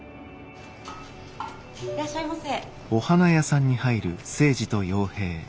いらっしゃいませ。